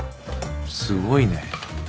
すごいね。